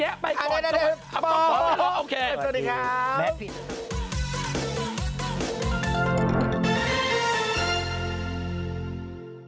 แยกไปก่อนต้องมาโอเคสวัสดีครับ